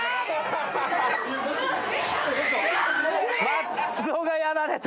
松尾がやられた。